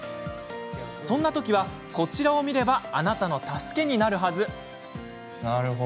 そんな時は、こちらを見ればあなたの助けになるはず。